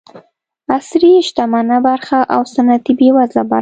عصري شتمنه برخه او سنتي بېوزله برخه.